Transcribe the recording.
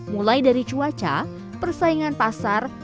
mulai dari cuaca persaingan pasar